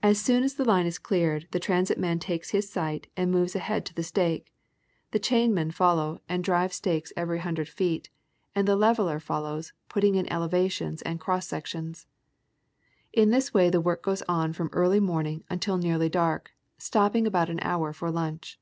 As soon as the line is cleared the transit man takes his sight and moves ahead to the stake, the chainmen follow and drive 322 JS'ational Geographic Magazine. stakes every hundred feet, and the leveller follows putting in elevations and cross sections. In this way the work goes on from early morning until nearly dark, stopping about an hour for lunch.